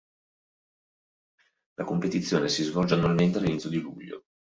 La competizione si svolge annualmente all'inizio di luglio.